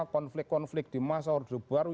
konflik konflik di masa order baru